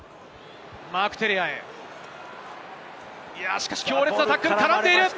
しかし強烈なタックルで絡んでいる！